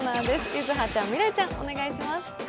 柚葉ちゃん、未来ちゃん、お願いします。